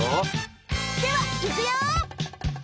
ではいくよ！